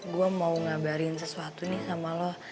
gue mau ngabarin sesuatu nih sama lo